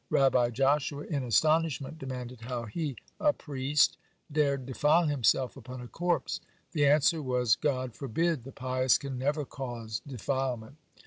Rabbi Joshua in astonishment demanded how he, a priest, dared defile himself upon a corpse. The answer was: "God forbid! the pious can never cause defilement."